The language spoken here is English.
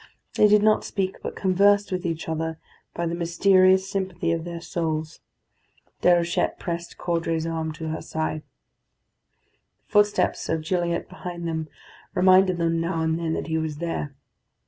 They did not speak, but conversed with each other by the mysterious sympathy of their souls. Déruchette pressed Caudray's arm to her side. The footsteps of Gilliatt behind them reminded them now and then that he was there.